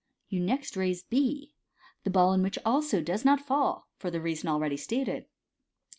You next raise B, the ball in which also does not fall, for the leason already stated.